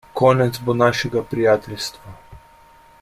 Konec bo našega prijateljstva.